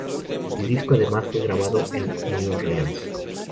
El disco además fue grabado en New Orleans.